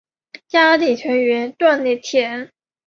家庭成员赚的钱